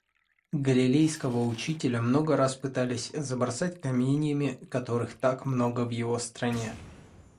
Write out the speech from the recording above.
Галилейского учителя много раз пытались забросать каменьями, которых так много в его стране.